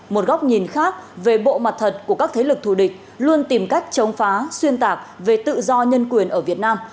một góc nhìn khác về bộ mặt thật của các thế lực thù địch luôn tìm cách chống phá xuyên tạc về tự do nhân quyền ở việt nam